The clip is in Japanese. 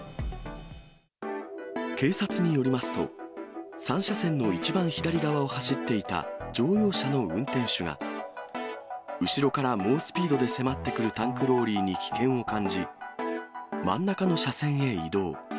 警察によりますと、３車線の一番左側を走っていた乗用車の運転手が、後ろから猛スピードで迫ってくるタンクローリーに危険を感じ、真ん中の車線へ移動。